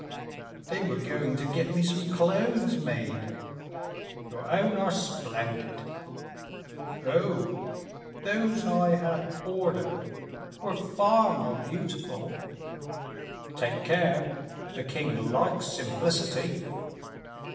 "They were going to get me some clothes made." "Your own are splendid." "Oh! those I had ordered were far more beautiful." "Take care: the king likes simplicity."